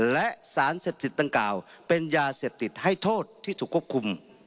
และสารเสพติดดังกล่าวเป็นยาเสพติดให้โทษที่ถูกควบคุม